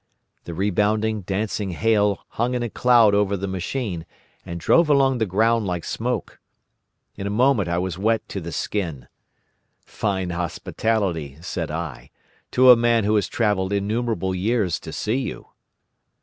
The rebounding, dancing hail hung in a little cloud over the machine, and drove along the ground like smoke. In a moment I was wet to the skin. 'Fine hospitality,' said I, 'to a man who has travelled innumerable years to see you.